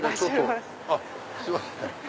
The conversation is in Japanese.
すいません。